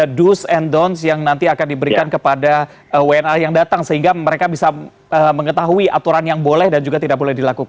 oke jadi ada do's and don't yang nanti akan diberikan kepada wna yang datang sehingga mereka bisa mengetahui aturan yang boleh dan juga tidak boleh